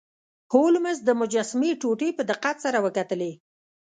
هولمز د مجسمې ټوټې په دقت سره وکتلې.